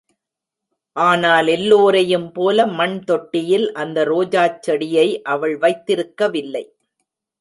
ஆணால், எல்லோரையும் போல மண் தொட்டியில் அந்த ரோஜாச் செடியை அவள் வைத்திருக்கவில்லை.